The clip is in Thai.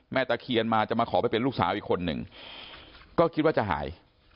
ตะเคียนมาจะมาขอไปเป็นลูกสาวอีกคนหนึ่งก็คิดว่าจะหาย